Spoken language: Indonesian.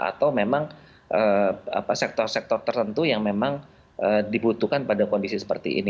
atau memang sektor sektor tertentu yang memang dibutuhkan pada kondisi seperti ini